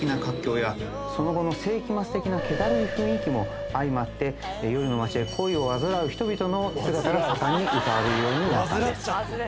その後の世紀末的な。も相まって夜の街で恋を煩う人々の姿が盛んに歌われるようになったんです。